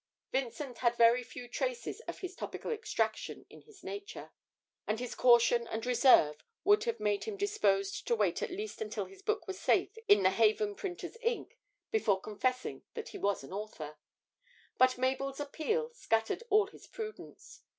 Vincent had very few traces of his tropical extraction in his nature, and his caution and reserve would have made him disposed to wait at least until his book were safe in the haven of printer's ink before confessing that he was an author. But Mabel's appeal scattered all his prudence.